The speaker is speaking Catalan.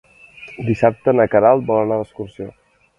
Dissabte na Queralt vol anar d'excursió.